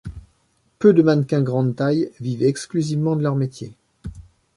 Peu de mannequins grande taille vivent exclusivement de leur métier.